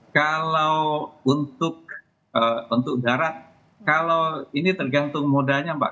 kalau untuk darat ini tergantung modanya pak